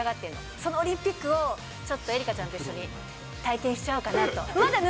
そのオリンピックを、ちょっと愛花ちゃんと一緒に体験しちゃおうかなと。